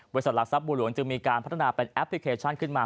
หลักทรัพย์บัวหลวงจึงมีการพัฒนาเป็นแอปพลิเคชันขึ้นมา